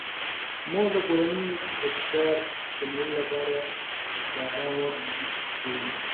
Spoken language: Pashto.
مور د کورنۍ د فشار کمولو لپاره د آرام وخت جوړوي.